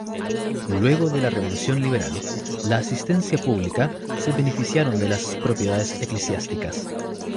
Luego de la Revolución Liberal, la Asistencia Pública se beneficiaron de las propiedades eclesiásticas.